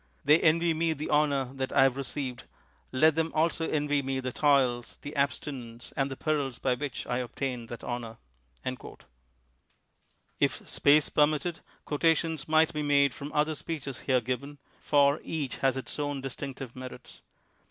They envy me the honor that I have received; let them also envy me the toils, the abstinence, and the perils by which I obtained that honor." If space permitted quotations might be made from other speeches here given, for each has its own distinctive merits.